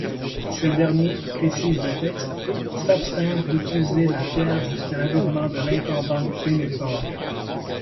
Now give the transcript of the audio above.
Ces derniers, précise le texte, s'abstinrent d'utiliser la pierre jusqu'à l'avènement de l'intendant Denethor.